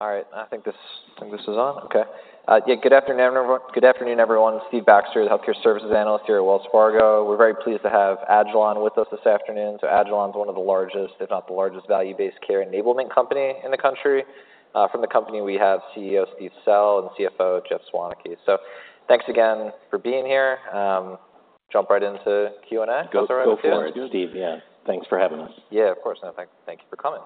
All right, I think this is on? Okay. Yeah, good afternoon, everyone. Steve Baxter, the healthcare services analyst here at Wells Fargo. We're very pleased to have Agilon with us this afternoon. So Agilon is one of the largest, if not the largest, value-based care enablement company in the country. From the company, we have CEO Steve Sell and CFO Jeff Schwaneke. So thanks again for being here. Jump right into Q&A? Go, go for it, Steve. Yeah. Thanks for having us. Yeah, of course. No, thank you for coming.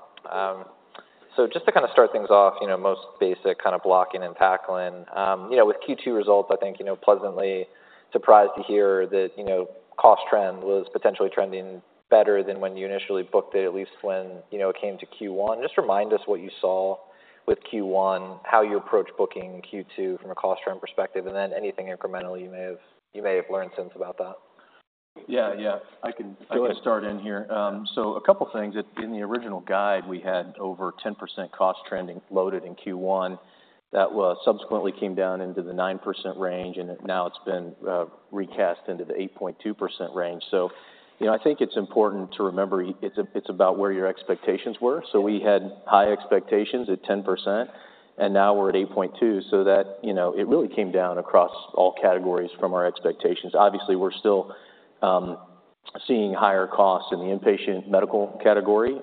So just to kind of start things off, you know, most basic kind of blocking and tackling. You know, with Q2 results, I think, you know, pleasantly surprised to hear that, you know, cost trend was potentially trending better than when you initially booked it, at least when, you know, it came to Q1. Just remind us what you saw with Q1, how you approached booking Q2 from a cost trend perspective, and then anything incrementally you may have learned since about that. Yeah, yeah. I can- Go ahead. I can start in here. So a couple things. In the original guide, we had over 10% cost trending loaded in Q1. That was subsequently came down into the 9% range, and now it's been recast into the 8.2% range. So, you know, I think it's important to remember, it's about where your expectations were. So we had high expectations at 10%, and now we're at 8.2%. So that, you know, it really came down across all categories from our expectations. Obviously, we're still seeing higher costs in the inpatient medical category,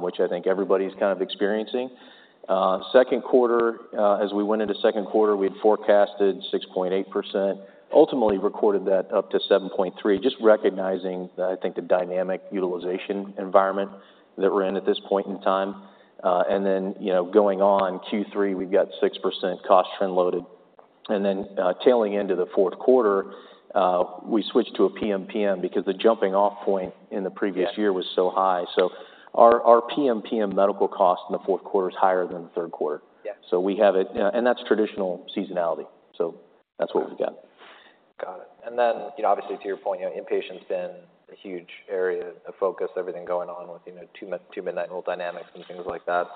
which I think everybody's kind of experiencing. Second quarter, as we went into second quarter, we had forecasted 6.8%, ultimately recorded that up to 7.3%, just recognizing the, I think, the dynamic utilization environment that we're in at this point in time. And then, you know, going on Q3, we've got 6% cost trend loaded. And then, tailing into the fourth quarter, we switched to a PMPM because the jumping off point in the previous year- Yeah was so high. So our our PMPM medical cost in the fourth quarter is higher than the third quarter. Yeah. So we have it... Yeah, and that's traditional seasonality. So that's what we've got. Got it. And then, you know, obviously, to your point, you know, inpatient's been a huge area of focus, everything going on with, you know, Two-Midnight Rule dynamics and things like that.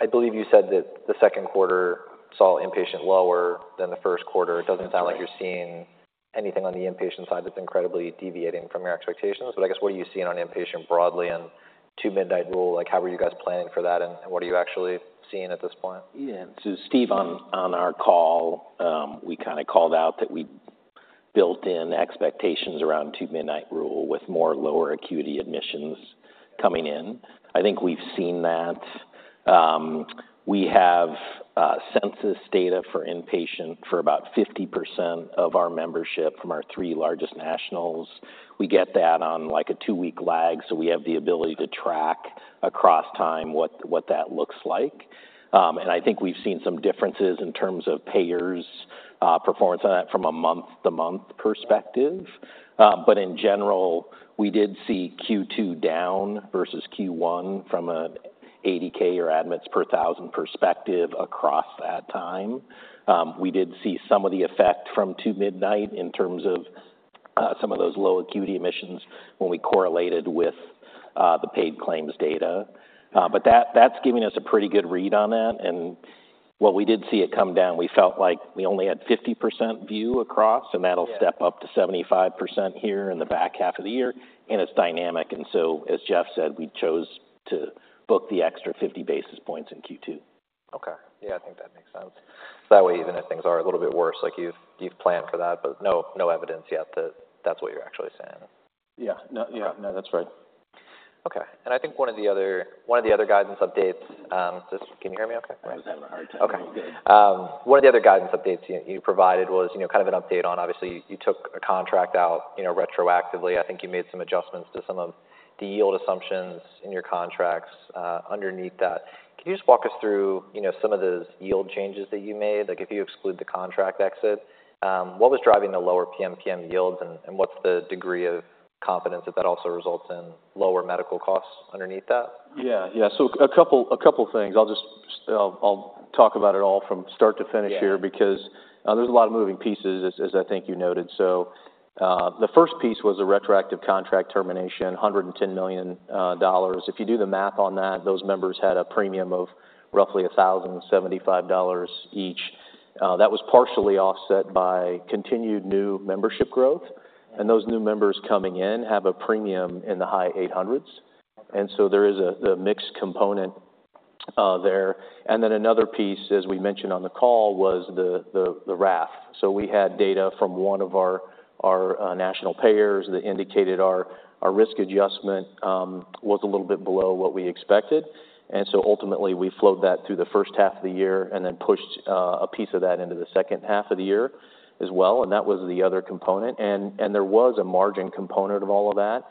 I believe you said that the second quarter saw inpatient lower than the first quarter. Right. It doesn't sound like you're seeing anything on the inpatient side that's incredibly deviating from your expectations. But I guess, what are you seeing on inpatient broadly and Two-Midnight Rule? Like, how are you guys planning for that, and what are you actually seeing at this point? Yeah. So Steve, on our call, we kinda called out that we built in expectations around Two-Midnight Rule, with more lower acuity admissions coming in. I think we've seen that. We have census data for inpatient for about 50% of our membership from our three largest nationals. We get that on, like, a two-week lag, so we have the ability to track across time what that looks like. And I think we've seen some differences in terms of payers performance on that from a month-to-month perspective. But in general, we did see Q2 down versus Q1 from an ADK or admits per thousand perspective across that time. We did see some of the effect from Two-Midnight in terms of some of those low acuity admissions when we correlated with the paid claims data. But that, that's giving us a pretty good read on that. And while we did see it come down, we felt like we only had 50% view across- Yeah And that'll step up to 75% here in the back half of the year, and it's dynamic. And so, as Jeff said, we chose to book the extra 50 basis points in Q2. Okay. Yeah, I think that makes sense. That way, even if things are a little bit worse, like, you've planned for that, but no, no evidence yet that that's what you're actually saying. Yeah. No, yeah. No, that's right. Okay, and I think one of the other guidance updates, just... Can you hear me okay? I was having a hard time. Okay. One of the other guidance updates you provided was, you know, kind of an update on obviously, you took a contract out, you know, retroactively. I think you made some adjustments to some of the yield assumptions in your contracts, underneath that. Can you just walk us through, you know, some of those yield changes that you made? Like, if you exclude the contract exit, what was driving the lower PMPM yields, and what's the degree of confidence that that also results in lower medical costs underneath that? Yeah. Yeah. So a couple things. I'll just talk about it all from start to finish here- Yeah because, there's a lot of moving pieces, as I think you noted. So, the first piece was a retroactive contract termination, $110 million dollars. If you do the math on that, those members had a premium of roughly $1,075 dollars each. That was partially offset by continued new membership growth, and those new members coming in have a premium in the high eight hundreds, and so there is the mixed component there. And then another piece, as we mentioned on the call, was the RAF. So we had data from one of our national payers that indicated our risk adjustment was a little bit below what we expected. And so ultimately, we flowed that through the first half of the year and then pushed a piece of that into the second half of the year as well, and that was the other component. And there was a margin component of all of that,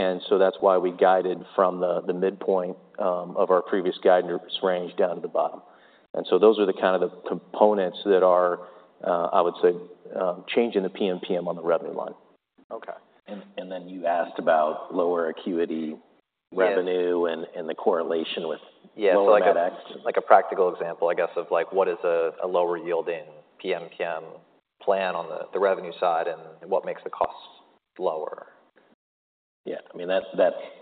and so that's why we guided from the midpoint of our previous guidance range down to the bottom. And so those are the kind of components that are, I would say, changing the PMPM on the revenue line. Okay. Then you asked about lower acuity revenue- Yes and the correlation with Yeah -lower MedEx. Like a practical example, I guess, of like, what is a lower yielding PMPM plan on the revenue side, and what makes the costs lower? Yeah. I mean, that's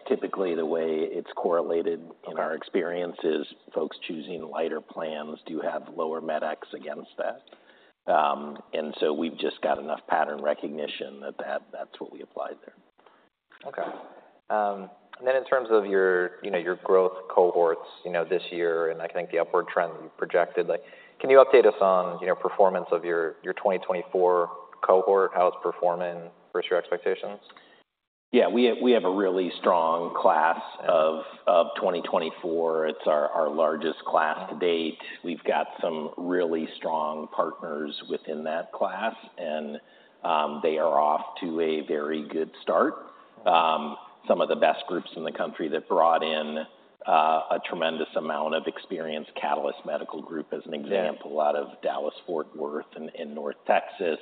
typically the way it's correlated in our experience, is folks choosing lighter plans. Do you have lower Med Ex against that? And so we've just got enough pattern recognition that that's what we applied there.... Okay. And then in terms of your, you know, your growth cohorts, you know, this year, and I think the upward trend you projected, like, can you update us on, you know, performance of your, your twenty twenty-four cohort, how it's performing versus your expectations? Yeah, we have a really strong Class of 2024. It's our largest class to date. We've got some really strong partners within that class, and they are off to a very good start. Some of the best groups in the country that brought in a tremendous amount of experience, Catalyst Health Group, as an example- Yeah -out of Dallas-Fort Worth and in North Texas.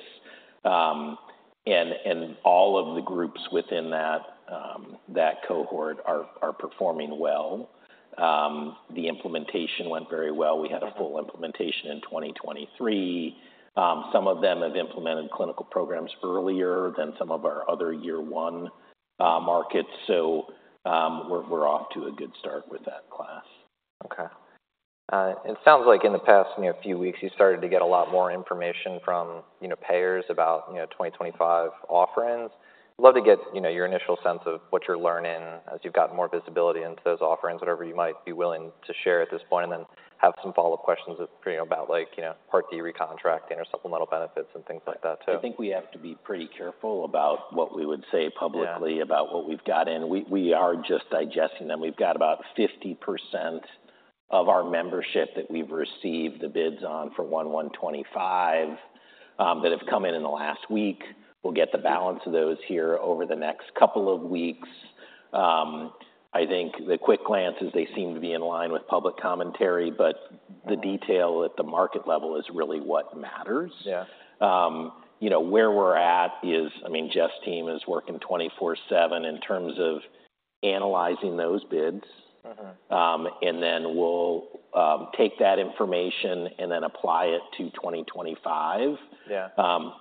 And all of the groups within that cohort are performing well. The implementation went very well. Okay. We had a full implementation in 2023. Some of them have implemented clinical programs earlier than some of our other year one markets, so we're off to a good start with that class. Okay. It sounds like in the past, you know, few weeks, you started to get a lot more information from, you know, payers about, you know, 2025 offerings. I'd love to get, you know, your initial sense of what you're learning as you've gotten more visibility into those offerings, whatever you might be willing to share at this point, and then have some follow-up questions, you know, about like, you know, Part D recontracting or supplemental benefits and things like that, too. I think we have to be pretty careful about what we would say publicly- Yeah about what we've got in. We are just digesting them. We've got about 50% of our membership that we've received the bids on for one one twenty-five, that have come in in the last week. We'll get the balance of those here over the next couple of weeks. I think the quick glance is they seem to be in line with public commentary, but the detail at the market level is really what matters. Yeah. You know, where we're at is... I mean, Jeff's team is working 24/7 in terms of analyzing those bids. Mm-hmm. And then we'll take that information and then apply it to 2025. Yeah.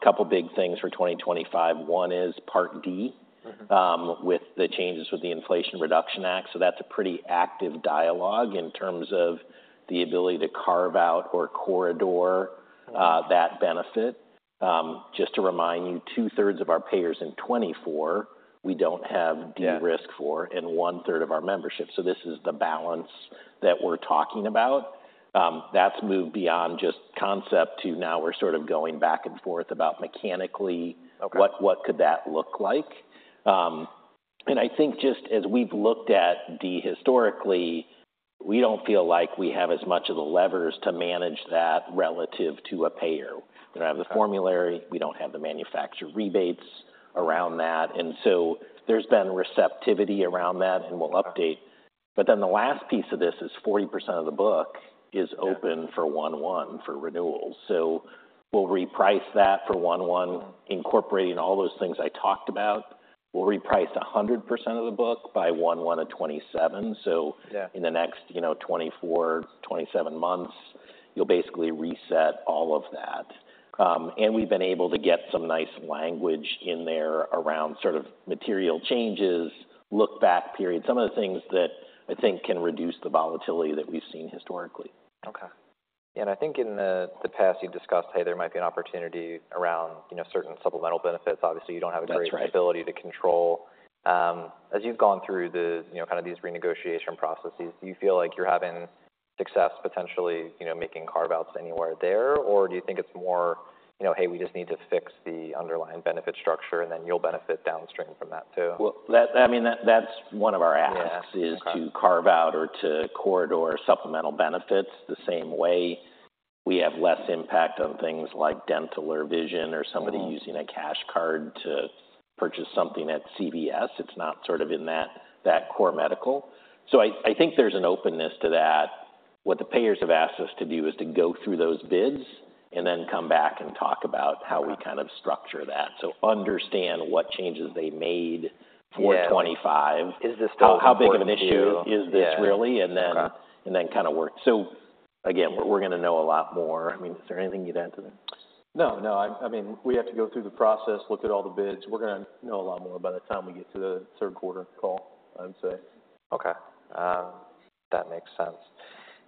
Couple big things for 2025. One is Part D- Mm-hmm with the changes with the Inflation Reduction Act, so that's a pretty active dialogue in terms of the ability to carve out or corridor, that benefit. Just to remind you, two-thirds of our payers in 2024, we don't have- Yeah High risk for in one-third of our membership, so this is the balance that we're talking about. That's moved beyond just concept to now we're sort of going back and forth about mechanically- Okay What, what could that look like? And I think just as we've looked at D historically, we don't feel like we have as much of the levers to manage that relative to a payer. Okay. We don't have the formulary, we don't have the manufacturer rebates around that, and so there's been receptivity around that, and we'll update. Okay. But then the last piece of this is 40% of the book is- Yeah Open for one one for renewals. So we'll reprice that for one one, incorporating all those things I talked about. We'll reprice 100% of the book by one one of 2027. Yeah. So in the next, you know, 24-27 months, you'll basically reset all of that. And we've been able to get some nice language in there around sort of material changes, look-back period, some of the things that I think can reduce the volatility that we've seen historically. Okay. And I think in the past, you've discussed, hey, there might be an opportunity around, you know, certain supplemental benefits. Obviously, you don't have a great- That's right ability to control. As you've gone through the, you know, kind of these renegotiation processes, do you feel like you're having success potentially, you know, making carve-outs anywhere there? Or do you think it's more, you know, "Hey, we just need to fix the underlying benefit structure," and then you'll benefit downstream from that, too? I mean, that's one of our asks. Yeah. Okay -is to carve out or to corridor supplemental benefits, the same way we have less impact on things like dental or vision or somebody- Mm-hmm using a cash card to purchase something at CVS. It's not sort of in that core medical. So I think there's an openness to that. What the payers have asked us to do is to go through those bids and then come back and talk about how we- Okay So understand what changes they made. Yeah -for twenty-five. Is this still important to you? How big of an issue is this, really? Yeah. Okay. So again, we're gonna know a lot more. I mean, is there anything you'd add to that? No, no, I mean, we have to go through the process, look at all the bids. We're gonna know a lot more by the time we get to the third quarter call, I'd say. Okay. That makes sense.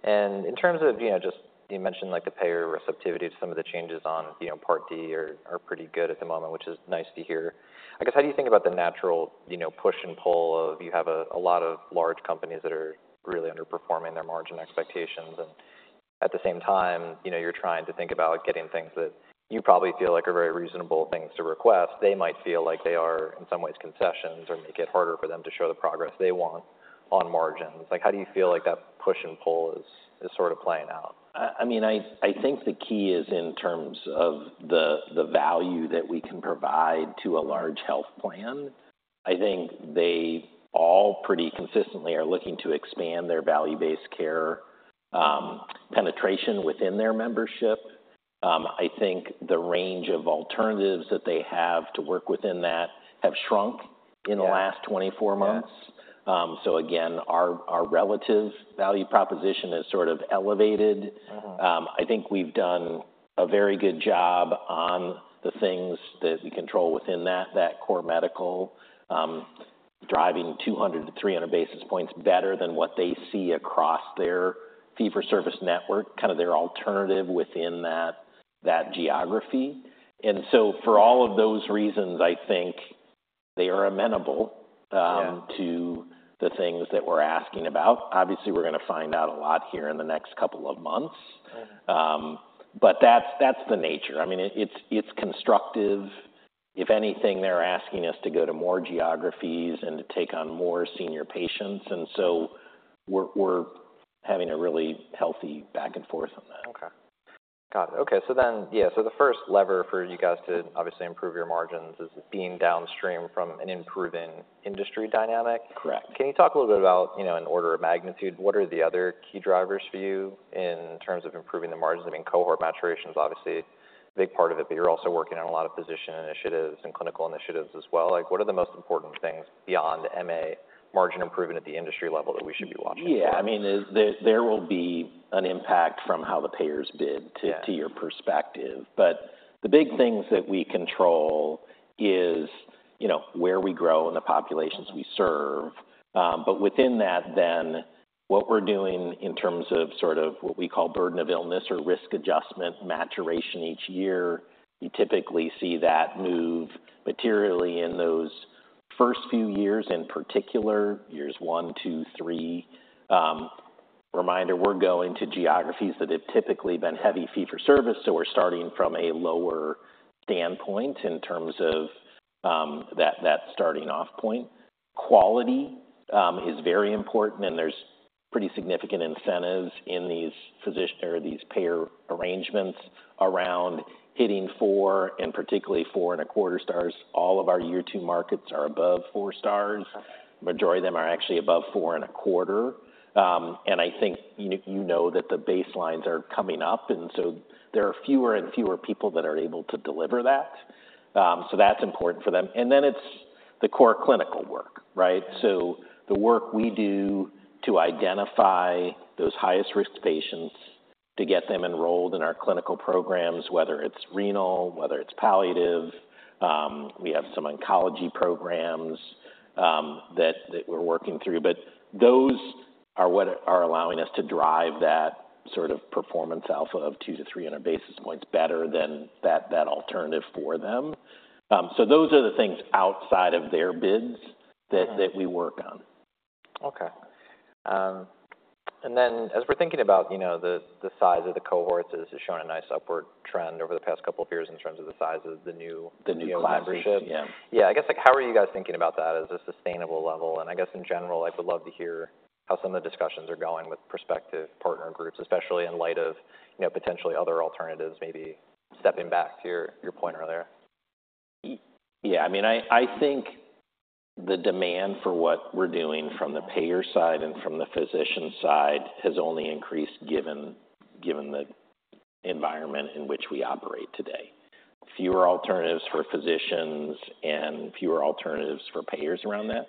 And in terms of, you know, just... You mentioned, like, the payer receptivity to some of the changes on, you know, Part D are pretty good at the moment, which is nice to hear. I guess, how do you think about the natural, you know, push and pull of you have a lot of large companies that are really underperforming their margin expectations, and at the same time, you know, you're trying to think about getting things that you probably feel like are very reasonable things to request. They might feel like they are, in some ways, concessions or make it harder for them to show the progress they want on margins. Like, how do you feel like that push and pull is sort of playing out? I mean, I think the key is in terms of the value that we can provide to a large health plan. I think they all pretty consistently are looking to expand their value-based care penetration within their membership. I think the range of alternatives that they have to work within that have shrunk- Yeah in the last 24 months. Yeah. So again, our relative value proposition is sort of elevated. Mm-hmm. I think we've done a very good job on the things that we control within that core medical, driving 200-300 basis points better than what they see across their fee-for-service network, kind of their alternative within that geography, and so for all of those reasons, I think they are amenable. Yeah to the things that we're asking about. Obviously, we're gonna find out a lot here in the next couple of months. Right. But that's the nature. I mean, it's constructive. If anything, they're asking us to go to more geographies and to take on more senior patients, and so we're having a really healthy back and forth on that. Okay. Got it. Okay, so then, yeah, so the first lever for you guys to obviously improve your margins is being downstream from an improving industry dynamic. Correct. Can you talk a little bit about, you know, in order of magnitude, what are the other key drivers for you in terms of improving the margins? I mean, cohort maturation is obviously a big part of it, but you're also working on a lot of physician initiatives and clinical initiatives as well. Like, what are the most important things beyond MA, margin improvement at the industry level that we should be watching? Yeah, I mean, there will be an impact from how the payers bid- Yeah... to your perspective. But the big things that we control is, you know, where we grow and the populations we serve. But within that, then, what we're doing in terms of sort of what we call burden of illness or risk adjustment, maturation each year, you typically see that move materially in those first few years, in particular, years one, two, three. Reminder, we're going to geographies that have typically been heavy fee-for-service, so we're starting from a lower standpoint in terms of that starting off point. Quality is very important, and there's pretty significant incentives in these physician or these payer arrangements around hitting four, and particularly four and a quarter stars. All of our year two markets are above four stars. Okay. Majority of them are actually above four and a quarter. And I think you know that the baselines are coming up, and so there are fewer and fewer people that are able to deliver that. So that's important for them. And then it's the core clinical work, right? Yeah. So the work we do to identify those highest-risk patients, to get them enrolled in our clinical programs, whether it's renal, whether it's palliative, we have some oncology programs, that we're working through, but those are what are allowing us to drive that sort of performance alpha of 2 to 300 basis points better than that alternative for them. So those are the things outside of their bids- Right... that we work on. Okay. And then as we're thinking about, you know, the size of the cohorts, this is showing a nice upward trend over the past couple of years in terms of the size of the new- The new membership. Yeah. I guess, like, how are you guys thinking about that as a sustainable level? And I guess in general, I would love to hear how some of the discussions are going with prospective partner groups, especially in light of, you know, potentially other alternatives, maybe stepping back to your point earlier. Yeah, I mean, I think the demand for what we're doing from the payer side and from the physician side has only increased, given the environment in which we operate today. Fewer alternatives for physicians and fewer alternatives for payers around that.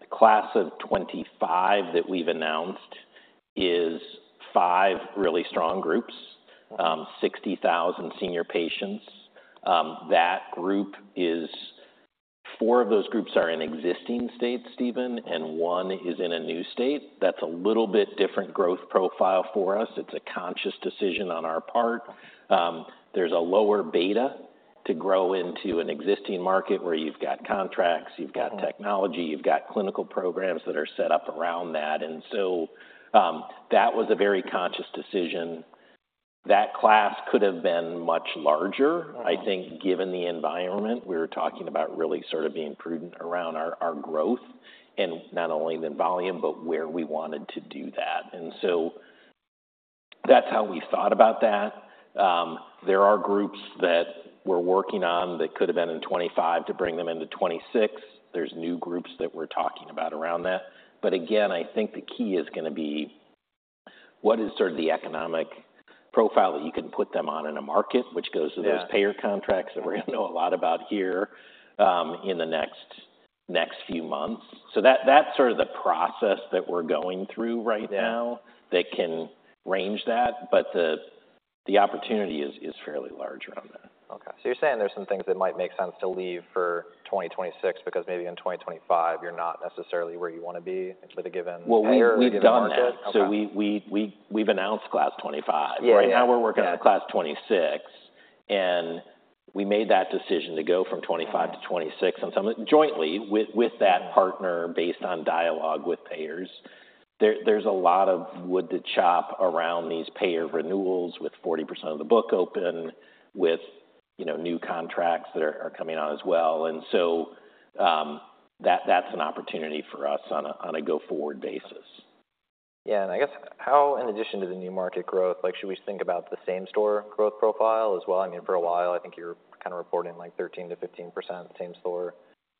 The Class of 2025 that we've announced is five really strong groups, 60,000 senior patients. That group is four of those groups are in existing states, Stephen, and one is in a new state. That's a little bit different growth profile for us. It's a conscious decision on our part. There's a lower beta to grow into an existing market where you've got contracts, you've got- Mm-hmm... technology, you've got clinical programs that are set up around that. And so, that was a very conscious decision. That class could have been much larger. Right. I think, given the environment, we were talking about really sort of being prudent around our growth, and not only the volume, but where we wanted to do that, and so that's how we thought about that. There are groups that we're working on that could have been in twenty-five to bring them into twenty-six. There's new groups that we're talking about around that, but again, I think the key is gonna be what is sort of the economic profile that you can put them on in a market, which goes to- Yeah... those payer contracts that we're gonna know a lot about here, in the next few months. So that, that's sort of the process that we're going through right now- Yeah that can range, but the opportunity is fairly large around that. Okay. So you're saying there's some things that might make sense to leave for twenty twenty-six, because maybe in twenty twenty-five, you're not necessarily where you wanna be with a given- Well, we- Payer or market? We've done that. Okay. So we've announced Class 25. Yeah. Right now we're working on the class twenty-six, and we made that decision to go from twenty-five to twenty-six, and some jointly with that partner based on dialogue with payers. There's a lot of wood to chop around these payer renewals, with 40% of the book open, with, you know, new contracts that are coming on as well. And so, that's an opportunity for us on a go-forward basis. Yeah, and I guess how, in addition to the new market growth, like, should we think about the same store growth profile as well? I mean, for a while, I think you're kind of reporting like 13%-15% same store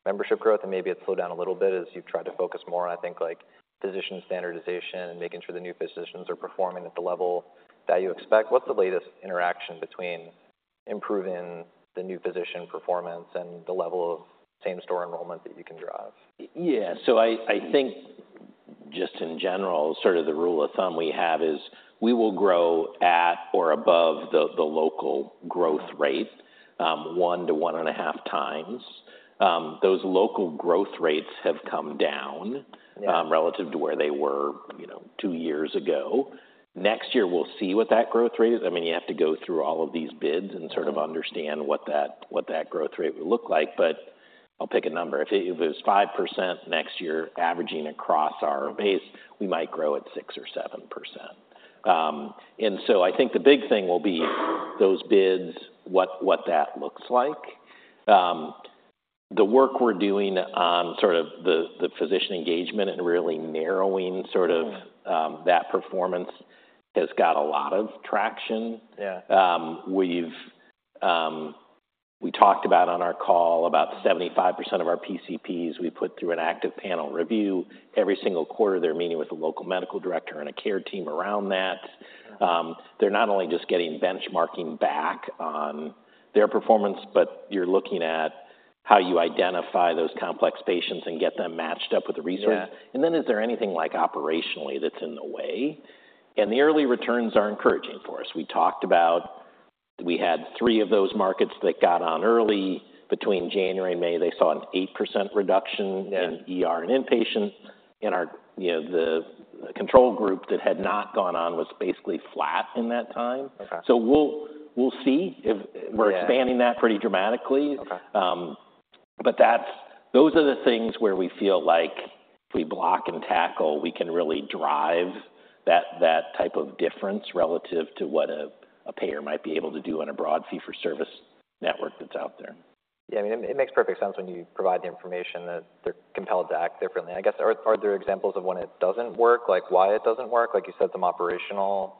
membership growth, and maybe it's slowed down a little bit as you've tried to focus more on, I think, like, physician standardization and making sure the new physicians are performing at the level that you expect. What's the latest interaction between improving the new physician performance and the level of same store enrollment that you can drive? Yeah, so I think just in general, sort of the rule of thumb we have is we will grow at or above the local growth rate, one to one and a half times. Those local growth rates have come down- Yeah Relative to where they were, you know, two years ago. Next year, we'll see what that growth rate is. I mean, you have to go through all of these bids and sort of- Mm-hmm understand what that growth rate would look like. But I'll pick a number. If it was 5% next year, averaging across our base, we might grow at 6% or 7%. And so I think the big thing will be those bids, what that looks like. The work we're doing on sort of the physician engagement and really narrowing sort of- Mm That performance has got a lot of traction. Yeah. We talked about on our call, about 75% of our PCPs, we put through an active panel review. Every single quarter, they're meeting with a local medical director and a care team around that. Yeah. They're not only just getting benchmarking back on their performance, but you're looking at how you identify those complex patients and get them matched up with the resources. Yeah. And then is there anything like operationally that's in the way? And the early returns are encouraging for us. We talked about, we had three of those markets that got on early. Between January and May, they saw an 8% reduction- Yeah in ER and inpatient. In our, you know, the control group that had not gone on was basically flat in that time. Okay. So we'll see if- Yeah... We're expanding that pretty dramatically. Okay. But those are the things where we feel like if we block and tackle, we can really drive that type of difference relative to what a payer might be able to do in a broad fee-for-service network that's out there. Yeah, I mean, it makes perfect sense when you provide the information, that they're compelled to act differently. I guess, are there examples of when it doesn't work? Like, why it doesn't work, like you said, some operational-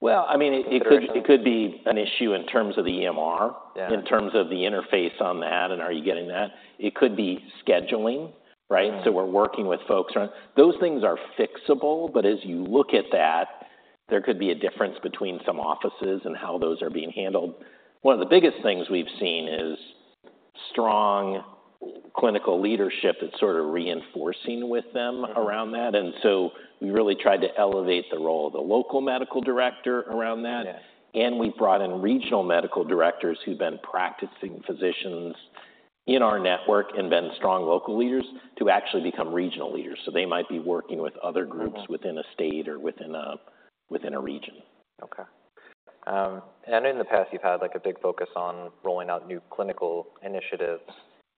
Well, I mean- -considerations... it could be an issue in terms of the EMR. Yeah. In terms of the interface on that, and are you getting that? It could be scheduling, right? Mm. So, we're working with folks around... Those things are fixable, but as you look at that, there could be a difference between some offices and how those are being handled. One of the biggest things we've seen is strong clinical leadership that's sort of reinforcing with them around that. Mm-hmm. We really tried to elevate the role of the local medical director around that. Yeah. And we've brought in regional medical directors who've been practicing physicians in our network, and been strong local leaders, to actually become regional leaders. So they might be working with other groups- Mm-hmm... within a state or within a region. Okay, and in the past, you've had, like, a big focus on rolling out new clinical initiatives.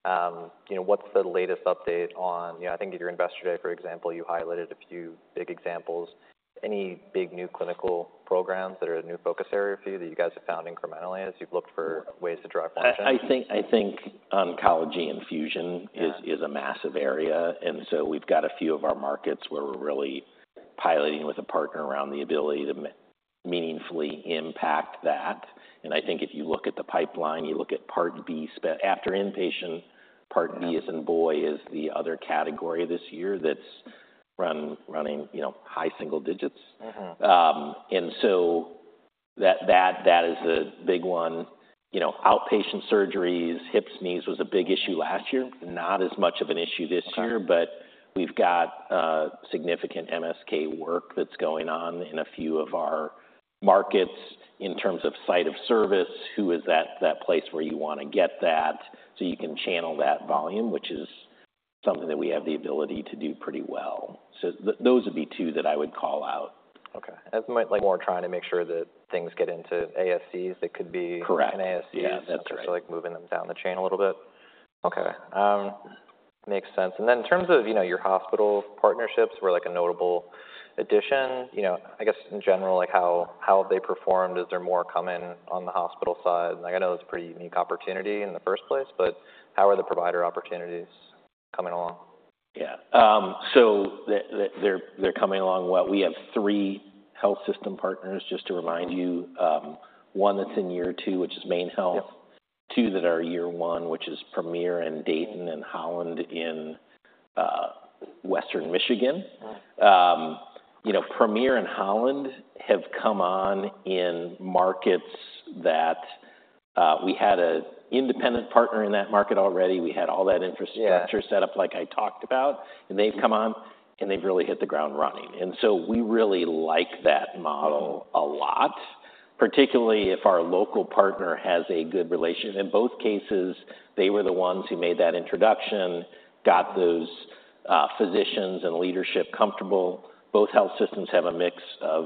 You know, what's the latest update on... You know, I think at your Investor Day, for example, you highlighted a few big examples. Any big, new clinical programs that are a new focus area for you, that you guys have found incrementally as you've looked for ways to drive function? I think oncology infusion- Yeah is a massive area, and so we've got a few of our markets where we're really piloting with a partner around the ability to meaningfully impact that. And I think if you look at the pipeline, you look at Part B spend after inpatient, Part B- Mm-hmm... as in boy, is the other category this year that's running, you know, high single digits. Mm-hmm. That is a big one. You know, outpatient surgeries, hips, knees, was a big issue last year, not as much of an issue this year. Okay. But we've got significant MSK work that's going on in a few of our markets. In terms of site of service, who is that, that place where you wanna get that, so you can channel that volume? Which is something that we have the ability to do pretty well. So those would be two that I would call out. Okay. That might, like, more trying to make sure that things get into ASCs, that could be- Correct... an ASC. Yeah, that's right. So, like, moving them down the chain a little bit. Okay. Makes sense. And then in terms of, you know, your hospital partnerships were like a notable addition. You know, I guess, in general, like how have they performed? Is there more coming on the hospital side? Like, I know it's a pretty unique opportunity in the first place, but how are the provider opportunities coming along? Yeah. So they're coming along well. We have three health system partners, just to remind you. Mm-hmm. One that's in year two, which is MaineHealth. Yep. Two that are year one, which is Premier in Dayton and Holland in Western Michigan. Uh. You know, Premier and Holland have come on in markets that we had an independent partner in that market already. We had all that infrastructure- Yeah... set up, like I talked about. Mm-hmm. And they've come on, and they've really hit the ground running, and so we really like that model a lot, particularly if our local partner has a good relation. In both cases, they were the ones who made that introduction, got those, physicians and leadership comfortable. Both health systems have a mix of,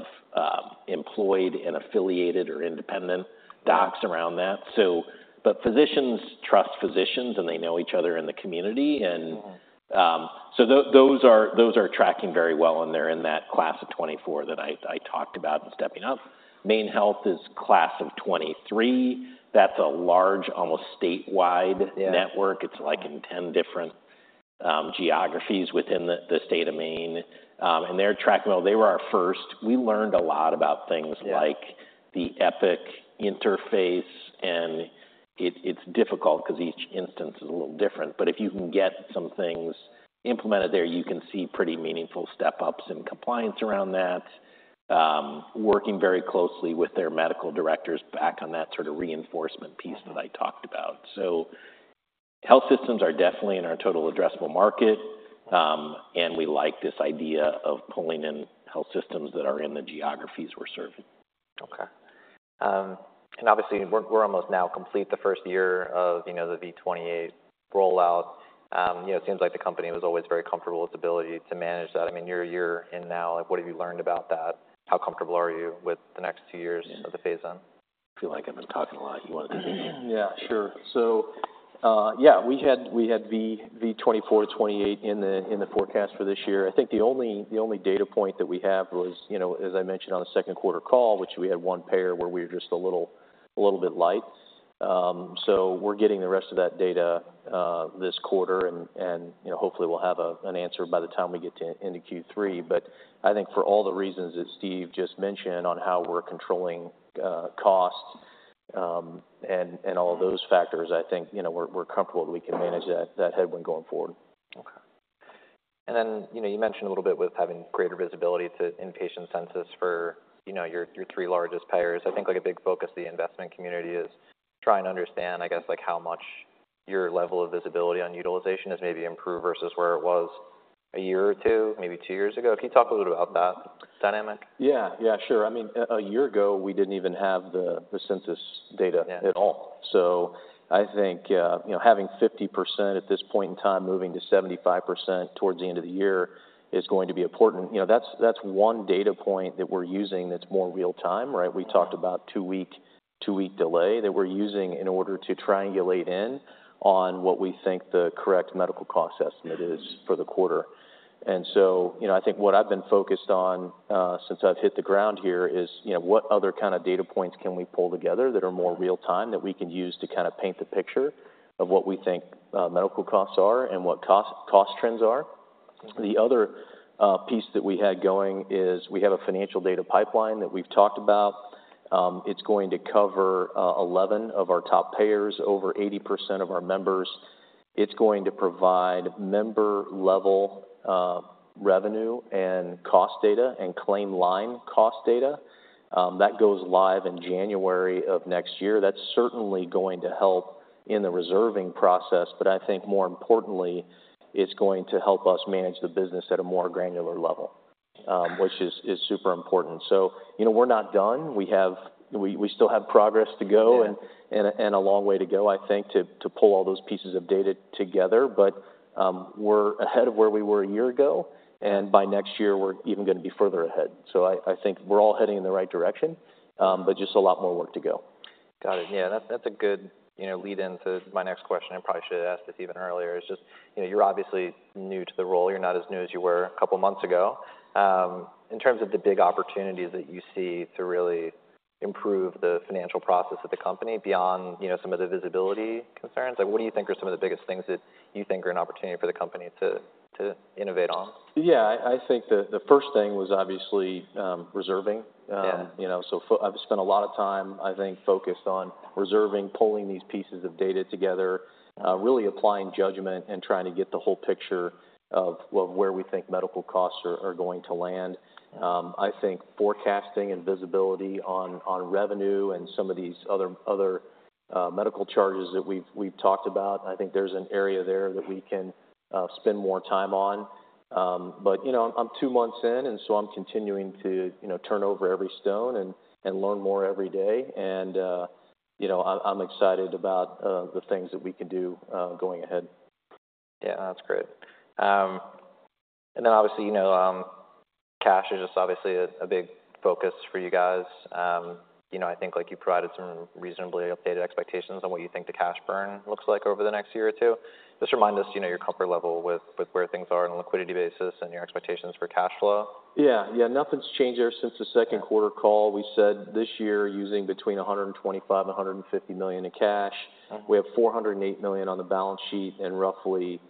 employed and affiliated or independent docs- Mm... around that. So but physicians trust physicians, and they know each other in the community, and- Mm... so those are, those are tracking very well, and they're in that Class of 2024 that I talked about in stepping up. MaineHealth is Class of 2023. That's a large, almost statewide- Yeah... network. It's, like, in ten different geographies within the state of Maine, and they're tracking well. They were our first. We learned a lot about things like- Yeah... the Epic interface, and it's difficult because each instance is a little different. But if you can get some things implemented there, you can see pretty meaningful step-ups in compliance around that. Working very closely with their medical directors back on that sort of reinforcement piece that I talked about. Mm-hmm.... Health systems are definitely in our total addressable market, and we like this idea of pulling in health systems that are in the geographies we're serving. Okay. And obviously, we're almost now complete the first year of, you know, the V28 rollout. You know, it seems like the company was always very comfortable with the ability to manage that. I mean, you're a year in now, like, what have you learned about that? How comfortable are you with the next two years of the phase-in? I feel like I've been talking a lot. You want to? Yeah, sure. So, yeah, we had V24, V28 in the forecast for this year. I think the only data point that we have was, you know, as I mentioned on the second quarter call, which we had one payer where we were just a little bit light. So we're getting the rest of that data this quarter, and you know, hopefully we'll have an answer by the time we get into Q3. But I think for all the reasons that Steve just mentioned on how we're controlling costs, and all of those factors, I think, you know, we're comfortable that we can manage that headwind going forward. Okay, and then, you know, you mentioned a little bit with having greater visibility to inpatient census for, you know, your three largest payers. I think, like, a big focus of the investment community is trying to understand, I guess, like, how much your level of visibility on utilization has maybe improved versus where it was a year or two, maybe two years ago. Can you talk a little about that dynamic? Yeah, yeah, sure. I mean, a year ago, we didn't even have the census data- Yeah at all. So I think, you know, having 50% at this point in time, moving to 75% towards the end of the year, is going to be important. You know, that's, that's one data point that we're using that's more real-time, right? We talked about two-week delay that we're using in order to triangulate in on what we think the correct medical cost estimate is for the quarter. And so, you know, I think what I've been focused on since I've hit the ground here is, you know, what other kind of data points can we pull together that are more real time, that we can use to kind of paint the picture of what we think medical costs are and what cost trends are? The other piece that we had going is we have a financial data pipeline that we've talked about. It's going to cover eleven of our top payers, over 80% of our members. It's going to provide member-level revenue and cost data and claim line cost data. That goes live in January of next year. That's certainly going to help in the reserving process, but I think more importantly, it's going to help us manage the business at a more granular level, which is super important. So, you know, we're not done. We still have progress to go. Yeah and a long way to go, I think, to pull all those pieces of data together. But, we're ahead of where we were a year ago, and by next year, we're even gonna be further ahead. So I think we're all heading in the right direction, but just a lot more work to go. Got it. Yeah, that's a good, you know, lead-in to my next question. I probably should have asked this even earlier, is just, you know, you're obviously new to the role. You're not as new as you were a couple of months ago. In terms of the big opportunities that you see to really improve the financial process of the company beyond, you know, some of the visibility concerns, like, what do you think are some of the biggest things that you think are an opportunity for the company to innovate on? Yeah, I think the first thing was obviously reserving. Yeah. You know, so I've spent a lot of time, I think, focused on reserving, pulling these pieces of data together, really applying judgment and trying to get the whole picture of where we think medical costs are going to land. I think forecasting and visibility on revenue and some of these other medical charges that we've talked about, I think there's an area there that we can spend more time on. But, you know, I'm two months in, and so I'm continuing to, you know, turn over every stone and learn more every day. And, you know, I'm excited about the things that we can do going ahead. Yeah, that's great. And then obviously, you know, cash is just obviously a big focus for you guys. You know, I think, like, you provided some reasonably updated expectations on what you think the cash burn looks like over the next year or two. Just remind us, you know, your comfort level with where things are on a liquidity basis and your expectations for cash flow. Yeah. Yeah, nothing's changed there since the second quarter call. We said this year, using between $125 million and $150 million in cash. Okay. We have $408 million on the balance sheet and roughly,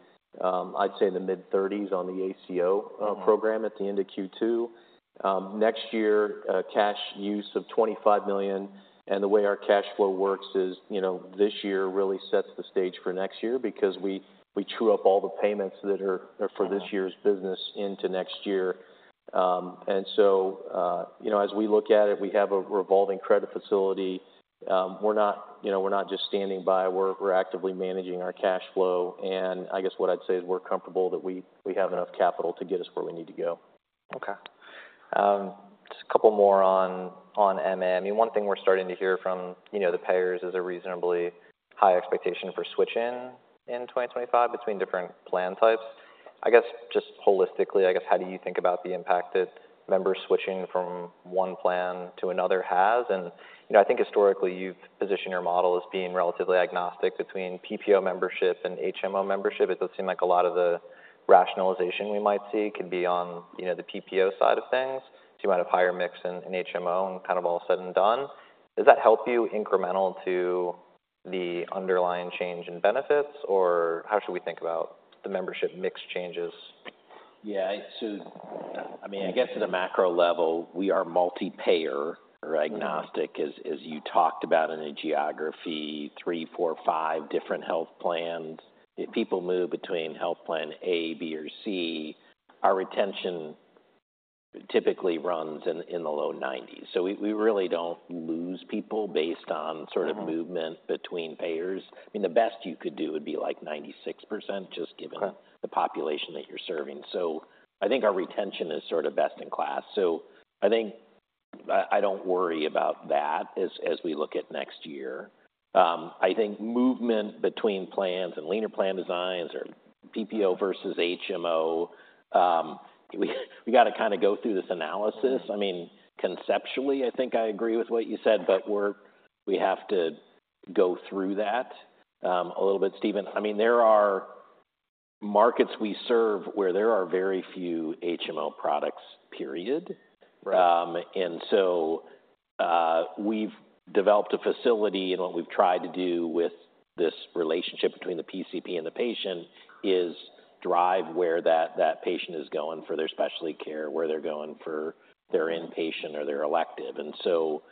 I'd say in the mid thirties on the ACO program. Mm-hmm At the end of Q2. Next year, cash use of $25 million, and the way our cash flow works is, you know, this year really sets the stage for next year because we true up all the payments that are- Got it For this year's business into next year. And so, you know, as we look at it, we have a revolving credit facility. We're not, you know, we're not just standing by. We're actively managing our cash flow, and I guess what I'd say is we're comfortable that we have enough capital to get us where we need to go. Okay. Just a couple more on MA. I mean, one thing we're starting to hear from, you know, the payers is a reasonably high expectation for switch-in in twenty twenty-five between different plan types. I guess, just holistically, I guess, how do you think about the impact that members switching from one plan to another has? And, you know, I think historically, you've positioned your model as being relatively agnostic between PPO membership and HMO membership. It does seem like a lot of the rationalization we might see could be on, you know, the PPO side of things. So you might have higher mix in HMO and kind of all said and done. Does that help you incremental to the underlying change in benefits, or how should we think about the membership mix changes? Yeah, so I mean, I guess at a macro level, we are multi-payer or agnostic- Mm-hmm... as you talked about in a geography, three, four, five different health plans. If people move between health plan A, B, or C, our retention typically runs in the low 90s. So we really don't lose people based on sort of movement between payers. I mean, the best you could do would be, like, 96%, just given the population that you're serving. So I think our retention is sort of best in class. So I think I don't worry about that as we look at next year. I think movement between plans and leaner plan designs or PPO versus HMO, we gotta kinda go through this analysis. I mean, conceptually, I think I agree with what you said, but we have to go through that a little bit, Stephen. I mean, there are markets we serve where there are very few HMO products, period. Right. and so, we've developed a facility, and what we've tried to do with this relationship between the PCP and the patient, is drive where that patient is going for their specialty care, where they're going for their inpatient or their elective. And so,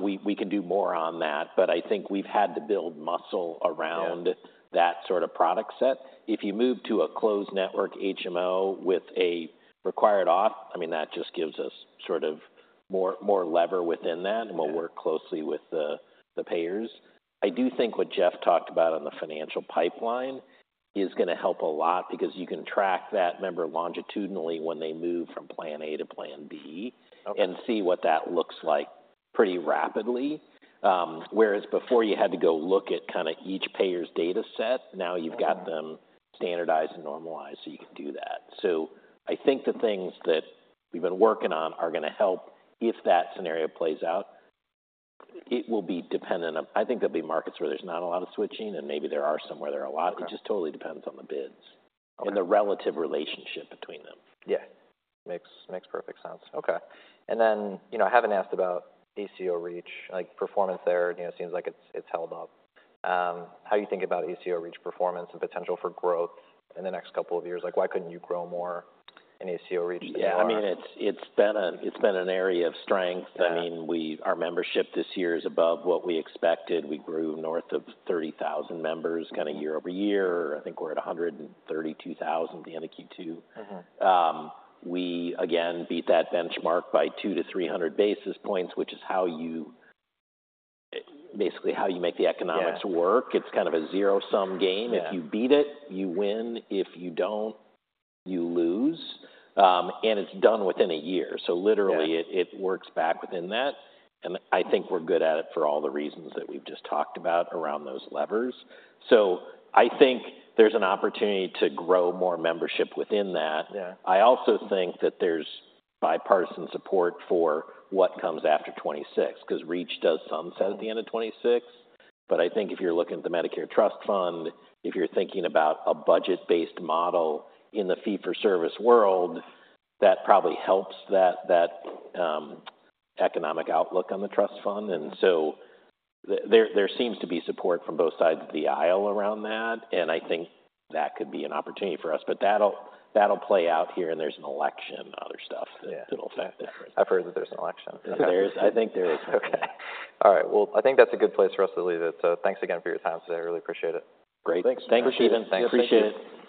we can do more on that, but I think we've had to build muscle around- Yeah - that sort of product set. If you move to a closed network HMO with a required auth, I mean, that just gives us sort of more leverage within that. Yeah. We'll work closely with the payers. I do think what Jeff talked about on the financial pipeline is gonna help a lot because you can track that member longitudinally when they move from plan A to plan B- Okay... and see what that looks like pretty rapidly. Whereas before you had to go look at kinda each payer's data set, now you've got them standardized and normalized, so you can do that. So I think the things that we've been working on are gonna help if that scenario plays out. It will be dependent on... I think there'll be markets where there's not a lot of switching, and maybe there are some where there are a lot. Okay. It just totally depends on the bids- Okay and the relative relationship between them. Yeah. Makes perfect sense. Okay, and then, you know, I haven't asked about ACO REACH, like, performance there. You know, it seems like it's held up. How you think about ACO REACH performance and potential for growth in the next couple of years? Like, why couldn't you grow more in ACO REACH than you are? Yeah. I mean, it's been an area of strength. Yeah. I mean, we've, our membership this year is above what we expected. We grew north of thirty thousand members, kinda year over year. I think we're at a hundred and thirty-two thousand at the end of Q2. Mm-hmm. We again beat that benchmark by 200-300 basis points, which is basically how you make the economics work. Yeah. It's kind of a zero-sum game. Yeah. If you beat it, you win. If you don't, you lose, and it's done within a year. Yeah. So literally, it works back within that, and I think we're good at it for all the reasons that we've just talked about around those levers. So I think there's an opportunity to grow more membership within that. Yeah. I also think that there's bipartisan support for what comes after 2026, 'cause Reach does sunset at the end of 2026. But I think if you're looking at the Medicare Trust Fund, if you're thinking about a budget-based model in the fee-for-service world, that probably helps that economic outlook on the trust fund. And so there seems to be support from both sides of the aisle around that, and I think that could be an opportunity for us. But that'll play out here, and there's an election and other stuff- Yeah That'll affect it. I've heard that there's an election. There is. I think there is. Okay. All right, well, I think that's a good place for us to leave it. So thanks again for your time today. I really appreciate it. Great. Thanks. Thanks, Stephen. Thanks. Appreciate it.